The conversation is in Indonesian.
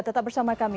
tetap bersama kami